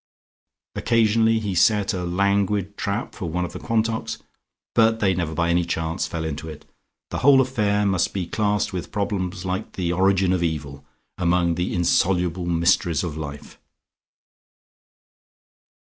Occasionally he set a languid trap for one of the Quantocks, but they never by any chance fell into it. The whole affair must be classed with problems like the origin of evil, among the insoluble mysteries of life.